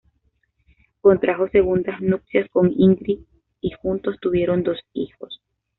Contrajo segundas nupcias con Ingrid y juntos tuvieron dos hijos.